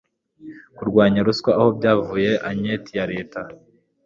kurwanya ruswa aho byavuye anketi ya reta